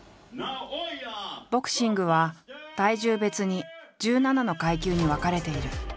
ボクシングは体重別に１７の階級に分かれている。